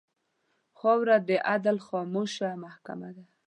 خاوره د عدل خاموشه محکمـه ده.